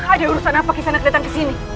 ada urusan apa kisah anak datang ke sini